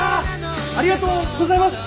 ありがとうございます！